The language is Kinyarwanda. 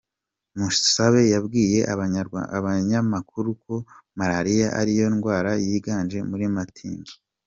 Mushabe yabwiye abanyamakuru ko Malariya ariyo ndwara yiganje muri Matimba.